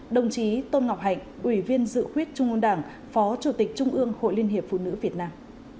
đồng chí tôn ngọc hạnh ủy viên dự khuyết trung ương đảng phó chủ tịch trung ương hội liên hiệp phụ nữ việt nam